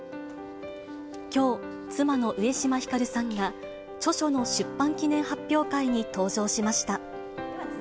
きょう、妻の上島光さんが、著書の出版記念発表会に登場しました。